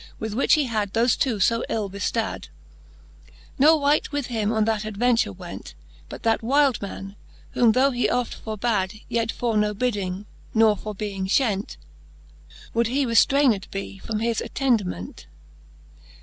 With which he had thofe two fo ill beftad : Ne wight with him on that adventure went, But that wylde man, whom though he oft forbad. Yet for no bidding, nor for being fhent, Would he reftrayned be from his attendement.